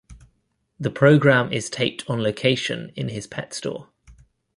The program is taped on location in his pet store.